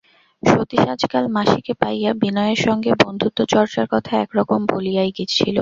সতীশ আজকাল মাসিকে পাইয়া বিনয়ের সঙ্গে বন্ধুত্বচর্চার কথা একরকম ভুলিয়াই ছিল।